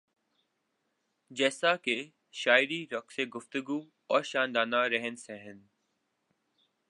جیسا کہ شاعری رقص گفتگو اور شاندار رہن سہن